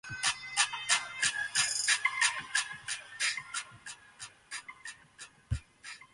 私が最後にできること